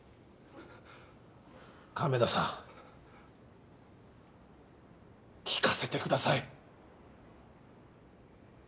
亀田さん聞かせてください。